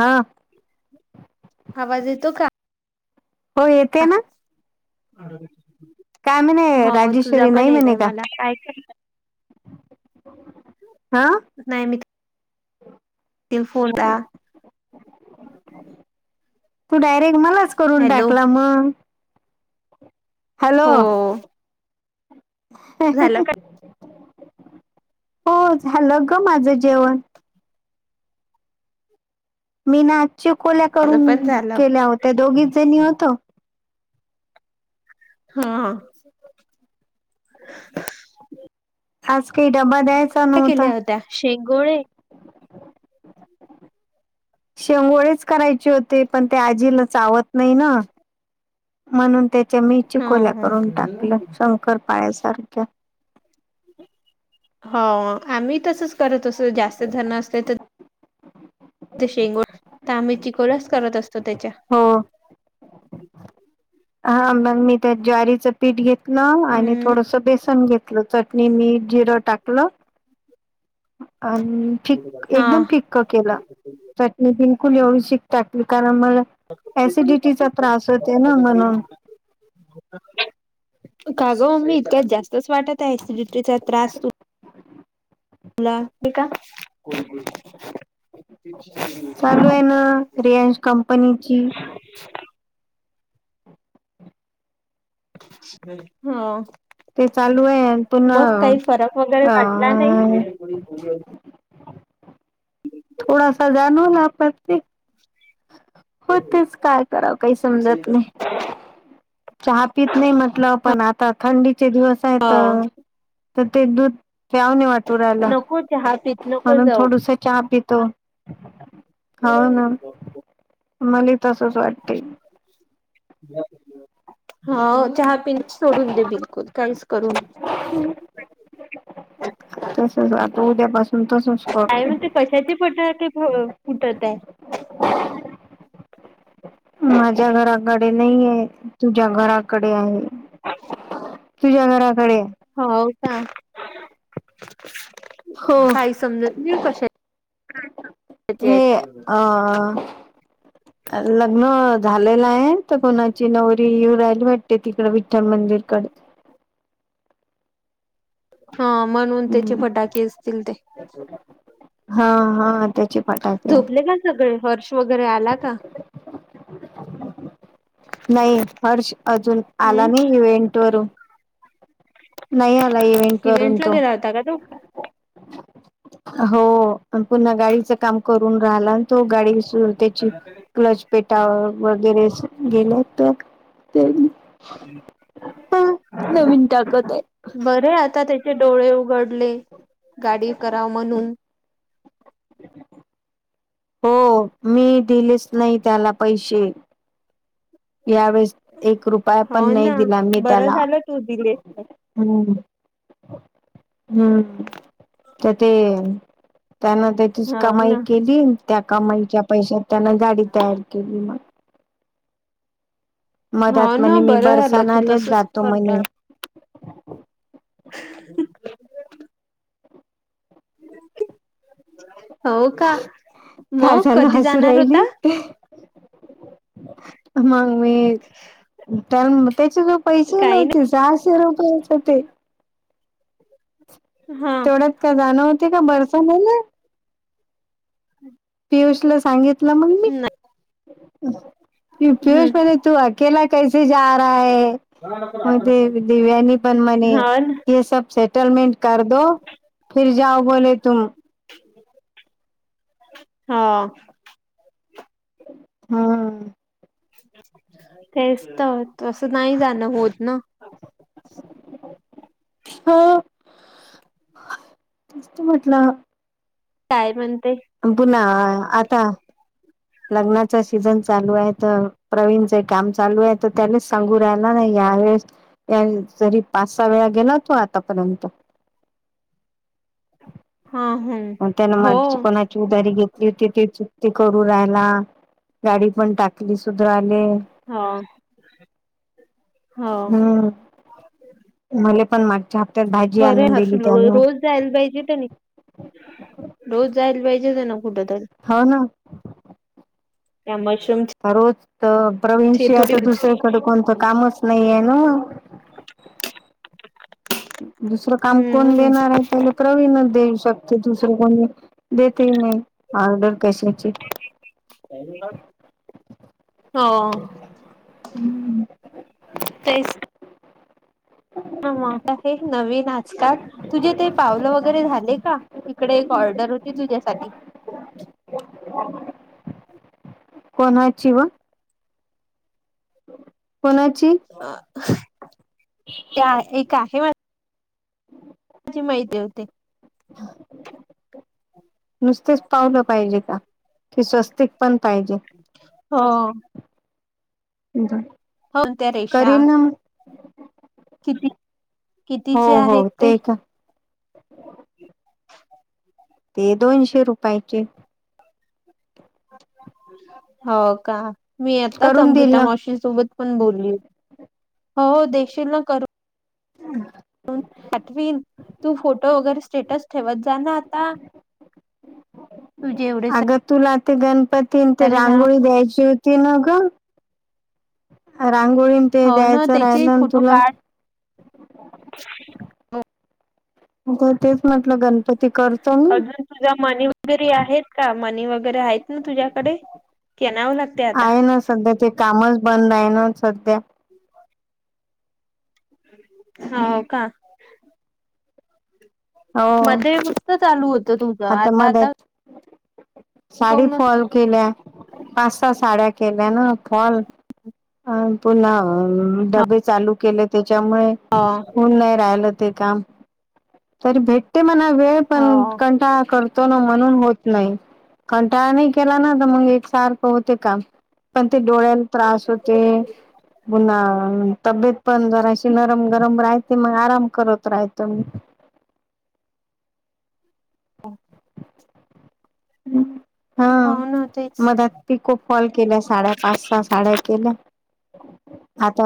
हा आवाज येतो का हो येते ना काय म्हणे हो तुझा राजेश्वरी नाही पण म्हणे येतय का मला काय हा नाही मी [unintelligible] तू डायरेक्ट मलाच करून हॅलो टाकला मग हो झालं का? ह हो झालं ग माझं जेवण मी ना आज चिकोल्या माझं करून पण झालं केल्या होत्या दोघीच जणी होत हा आज काही डबा द्यायचा काय नव्हता केल्या होत्या शेवोळेच करायचे होते पण ते आजीला चावत नाही ना म्हणून त्याच्या मी ह चिकोल्या हो करून टाकलं शंकर पाळ्यासारख्या हो आम्ही तसच करत असो जास्त जण असले तर शेंगोळ तांबे चिकोळ्याच करत असतो त्याच्या हो हा मग मी त्या ज्वारीचं पीठ घेत आणि हम्म थोडस बेसन घेतलं चटणी मीठ जिरं टाकलं आणि फ हा एकदम फीक्क केलं चटणी बिलकुल एवढीशी टाकली कारण ऍसिडिटीचा त्रास होते ना म्हणून काजो मम्मी इतक्यात जास्तच वाटत आहे ऍसिडिटीचा त्रास तू तुला का चालू आहे ना रियांश कंपनीची हा ते चालू आहे मग पुन्हा काही फरक वगैरे वाटला नाही. अ ह थोडासा जाणवला [inaudible] हो तेच काय कराव काही समजत नाही. चहा पीत नाही म्हंटल पण आत त थंडीचे दिवस आहे त हो त ते दूध प्याव नाही वाटू राहिला नको चहा पित नको म्हणून जाऊ थोडस चहा पितो. हो ना ह मला तसच वाटते हा च पिंच सोडून दे बिलकुल काहीच करू न उद्या बस काय म्हण ते कशाची पट फुटत आहे माझ्या घराकडे नाही आहे तुझ्या घराकडे आहे [inaudible] तुझ्यागराकडे हो का हो काही समज म कशा हे अ लग्न झालेला आहे तर कोणाची नवरीऊ राहिला भेटते तिकड विठ्ठल मंदिरकडे ह हा म्हणून त्याचे हम्म फटाके असतील ते हा हा त्याचे फटाके झोपले का सगळे हर्ष? वगैरे आला का? नाही हर्ष अजून आला हम्म. नाही इव्हेंट वरून. नाही आला इव्हेंट वरून ला तो. गेला होता का तो हो पुन्हा गाडीचं काम करून राहलान, तो गाडी सुर त्याची क्लचपेटा वगैरे च गेला तर. तर [unintelligible] टाकत आहे बरे आहत. आता त्याचे डोळे उघडले गाडी कराव म्हणून. हो मी दिलेच नाही त्याला पैशे यावेेळेस एक रुपया, पण हो नाही ना. दिला मी बरं त्याला झालं तू दिलेस नाही. ह. हम्म त ते त्यांना त्याचीच हो कमाई ना केली त्या कमाईच्या पैशात त्यान गाडी तयार केली मग हो मधत ना म्हणे मी बरं झालं तू बरसाणालेच तसच जातो करता म्हणे [inaudible] [inaudible] हो का काय मग कधी जाणार होता? अ मंग मी त्याल [unintelligible] त्याचे जवळ पैसे काही नाही नव्हते सहाशे रुपयच होते. हा तेवढ्यात का जाणं होते का बरसाण्याला. पीयुषल सांगितलं मंग मी नाही. हम्म पियुष म तू अकेला कैसे जा रहा है [unintelligible] म ते दिव्यांनी पण म्हणे हा ना हे सब सेट [unintelligible] सेटलमेंट कर दो फिर जाओ बोले तुम हा. हा. तेच तर तसं नाही जाणं होत ना हा कस म्हटलं काय म्हण पुन्हा आता लग्नाच सीझन चालू आहे तर प्रवीणच काम चालू आहे तर त्याच सांगू राहाला नाही त्यावेेळेस जरी पाच सहा वेळा गेला तो आतापर्यंत [inaudible] हम् मंतना हो मच कोणा च उदारी घेत त तिथे चुकती करू राहाला गाडी पण टाकली सुधारले हो हो हम्म मला बरे हर्षल [unintelligible] रोज जायला पाहिजे, त्यानी रोज जायला पाहिजे त्यान. हाव ना, त्या म्हश तर रोज तर प्रवीणशी आता दुसर्याकडे कोणतं कामच नाहीये ना, दुसरं काम कोण हम्म देणार आहे त्याला प्रवीणच देऊ शकते दुसरं कोण देत नाही ऑर्डर कशी हो. तेच ह मझ हे नवीन आजकाल तुझे ते पावलं वगैरे झाले का इकडे र्डर होती तुझ्यासाठी ह [unintelligible] कोणाची व पणाची त्या एक आहे म माहिती होते नुसतेच पावलं पाहिजे का ते स्वस्तिक पण पाहिजे हा ह होौ त्या्या रेशा हो कितीचे हो आहेत ते का ते दोनशे रुपयाचे हो का मी आताच करून देईल अमृता ना माशी सोबत पण बोलली हो देशील ना करू हम् पाठवीन तू फोटो वगैरे स्टेटस ठेवत जा ना आता [unintelligible] अगं तुला ते गणपती ते सारे जण रांगोळी द्यायची होती न ग रांगोळी ते हो ना द्यायचं त्याचे राहिलं फोटो तुला काढ म तेच म्हटलं गण अजून तुझ्या मनी वगैरे आहेत का मनी वगैरे आहेत ना तुझ्याकडे की आणावं लागते आता आहे ना सध्या ते कामच बंद आहे ना सध्या हो का हो मध्ये मुसत चालू होत तुझं आता आता साडी काऊनच फॉल केल्या पाच सहा साड्या केल्या न फॉल अ पुन्हा डबे चालू केले त्यामुळे हो होऊन नाही राहिलं ते काम तरी भेट ते मला वेळ पण हो कंटाळा करतो ना म्हणून होत नाही कंटाळा नाही केला ना तर मग एक सारखं होते काम पण ते डोळ्याला त्रास होते पु्हा तब्येत पण जराशी नरम गरम राह ते मग आराम करत राहाहतो मी हो हम् हा ना तेच मधी खूप फॉल केल्या साड्या पाच स साड्या केल्या आता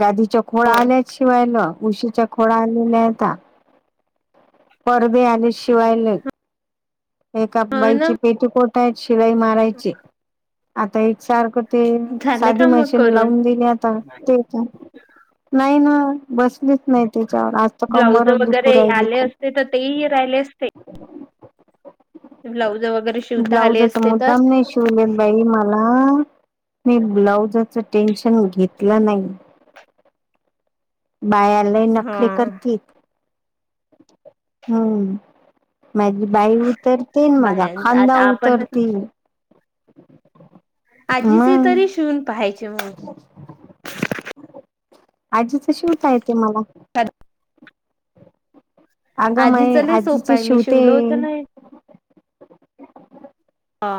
गादीच्या खोळ हो आल्या शिवायला उशीच्या खोड आलेल्याता परदे आले शिवाय एका हो ना बाईची पेटीकोट आहेत शिलाई मारायची, आता एक सारख ते झाले साधी का मग मशीन करून लावून दिली आता ते, नाही ना. बसलीच नाही ते. आज तर ब्लाउज कंबरच वगैरे दुखू राहिली आले खू असते तर तेही राहिले असते ब्लाऊज वगैरे शिवता आले ब्लाउज आता असते तर मुद्दाम नाही शिवलेत बाई मला हा मी ब्लाउजच टेन्शन घेतलं नाही बायालाही हा नकरी करतील हम्म माझी बाई उतरते माझा बायांच खांदा आता आपण उतरतील आजीचे मग तरी शवून पहायचे म्हण आजीच शिवता येते मला ह अगं आजीच मय लय सोपं आजीचे आहे मी शेवते शिवल होतं ना हे हा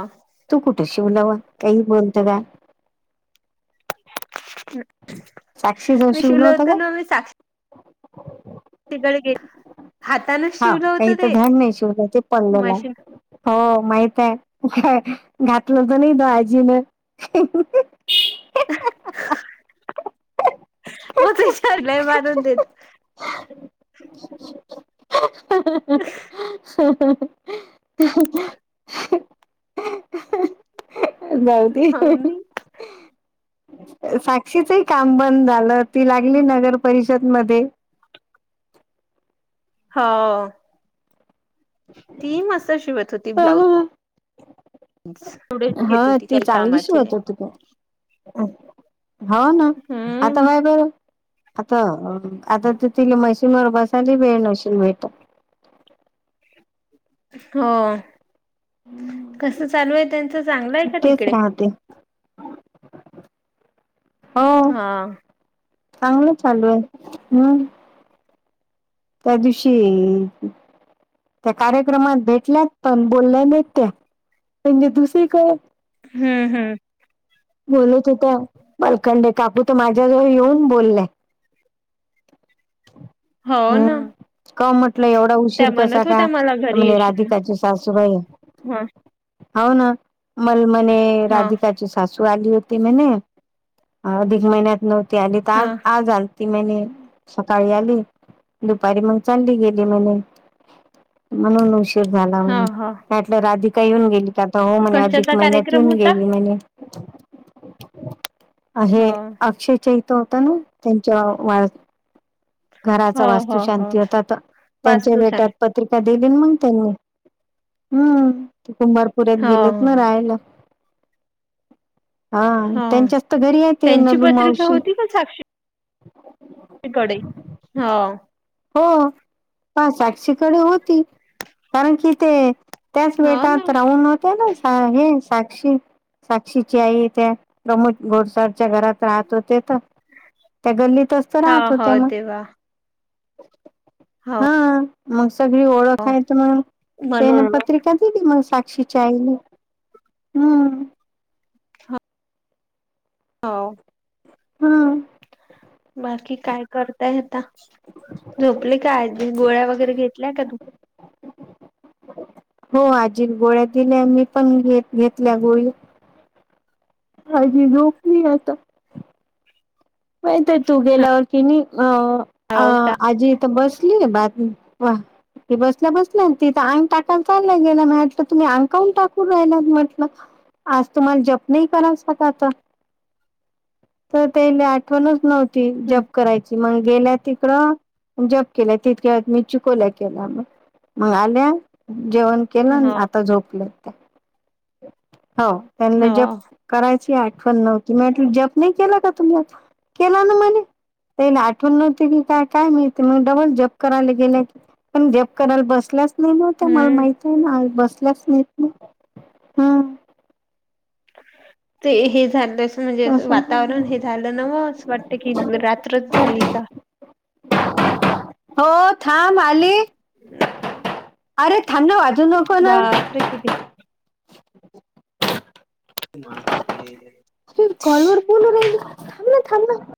तू कुठे शिवलावा काही बोलत का साक्षी जवळ मी शिवलं शलो होतं का होतो नाम्ही ड हा काही तर धड नाही शव ते पडलेला मशीन हो माहित आहे काय घातलं तर नाही त आजीन. [inaudible] मग ते विचारलंय मानून देत. [unintelligible] विदेशी. जाऊ मम्मी साक्षीचही काम बंद झालं.. ती लागली नगर परिषद मध्ये. हो ती मस् शिवत होती ब्लाऊज. एवढे हा घेत होती ती काही चांगली श कामाची होत नाही हो तु. हो ना आता हम्म बाय बरं. आता आता ते मै. मरपसाली भे नशील भेट. हो. कस चालू आहे त्यांच चांगलंय का तेच तिकडे. राहते हो हा. चांगलं चालू आहे हम्म. त्या दिवषय. त्या कार्यक्रमात भेटल्यात पण बोलल्या देत त्या म्हणजे दुसरीकडे. हम्म हम्म बोलत होता बालकंडे कापू. तो माझ्याजवळ येऊन बोललाय हो ना आपला एवढा त्या उशीर कसा म्हणत का होत्या मला तर घरी म्हणज येशील राधिकाची सासूबाई हा हो ना मलमने हा राधिकाची. ू आली होती म्हने अधिक महिन्यात नव्हती आली तर हा आज आज आल. ती महिने सकाळी आली दुपारी मग चालली गेली महिने म्हणूनष. झाला हा हा म्हटलं राधिका येऊन गेली का आता हो म्हणे अधिक कशाचा महिन्यात कार्यक्रम येऊन होता? गेली म्हणे. हो हे अक्षय च. त होता ना त्यांच्या वा घराचा हो वास्तू हो हो शांती होतात त्यांच्या वास्तू सा बेट्यात पत्रिकेत दिली मग त्यांनी हम्म कुंभारपुऱ्यात हो गेलेत ना राहायला हा हो त्यांच्यास तर घरी य ते त्यांची नलू पत्रिका मावशी. तिकडे हा. हो प साक्षीकडे होती कारण कि ते. त्याच हो ना बेटात राहून होत्या ना हे सा साक्षीची आई त्या प्रमोद गोडसरच्या घरात राहत होते त्या गल्लीतच तर हो राहतो त हो तेव्हा त्यामुळे हो हा मस्. सगळी ओळख आहेत मण त्यान म्हणून मग. पत्रिका दिली मग साक्षीच्या आईला. हम्म.. हो. हम्म बाकी काय करताय आता झोपले काय गोळ्या वगैरे घेत. घेतल्या का तुम्ही हो आजी गोळ्या दिल्या मी पण घेत घेतल्या गोळया. आजी झोपली आता. नाही तर तू गेल्यावर की नाही अ हो का आजी इथ बसली बातमी. वा ती बसल्या बसल्या तिथ अंग टाकायला चाललं गेलाटलं तुम्ही अंगकाहून टाकून राहिला म्हटलं. आज तुम्हाला जप नाही करायचा का आता तर ते. आठवणच नव्हती हम्म जब करायची मायी. गेल्या तिकडं जप केलं तिथके मी चुकवल्या केला मग. मग आल्या जेवण केलं हो आता झोपल्या. हो त्यांना हो जप करायची आठवण नव्हती म्हटलं जप नाही केला का तुम्ही आज केला ना म्हणे त्याला आठवण नव्हती की काय काय माहित म डबल जप करायला गेलं क पण जप करायला बसलाच नाही नव्हत्या मला हम्म माहित आहे ना बसल्याच नाहीत ना हम ते हे झालं म्हणजे तसं वातावरण झालं हे झालं नव असं वाटतं की रात्रच झाली का? हो थांब आली अरे थाबंना वाजू नको ना बापरे किती माझ ये कॉलवर बोलू राहिली थांब ना थांब ना